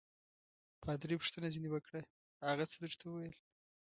پادري پوښتنه ځینې وکړه: هغه څه درته ویل؟